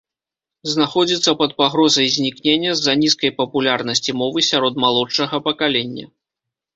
Знаходзіцца пад пагрозай знікнення з-за нізкай папулярнасці мовы сярод малодшага пакалення.